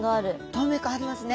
透明感ありますね。